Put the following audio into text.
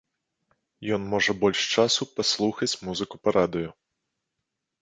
Ён можа больш часу паслухаць музыку па радыё.